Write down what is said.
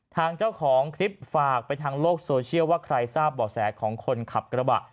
ทางเจ้าของคลิปฝากไปทางโลกโซเชียลว่าใครทราบบ่อแสของคนขับกระบะ